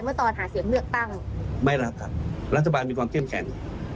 ตอนหาเสียงเลือกตั้งไม่รับครับรัฐบาลมีความเข้มแข็ง